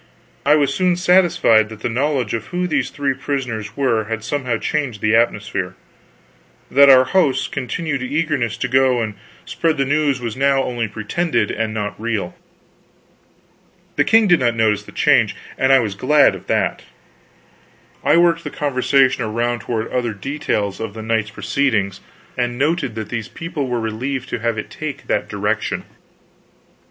I was soon satisfied that the knowledge of who these three prisoners were had somehow changed the atmosphere; that our hosts' continued eagerness to go and spread the news was now only pretended and not real. The king did not notice the change, and I was glad of that. I worked the conversation around toward other details of the night's proceedings, and noted that these people were relieved to have it take that direction.